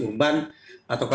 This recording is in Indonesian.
atau komunitas urban